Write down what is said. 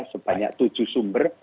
sebanyak tujuh sumber